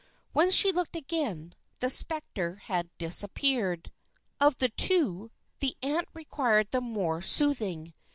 When she looked again, the spectre had disappeared. Of the two, the aunt required the more soothing.